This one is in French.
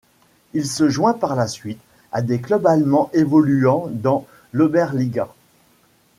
Il se joint par la suite à des clubs allemands évoluant dans l'Oberliga.